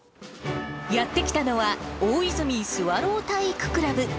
やって来たのは、大泉スワロー体育クラブ。